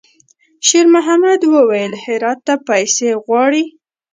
شېرمحمد وويل: «هرات ته پیسې غواړي.»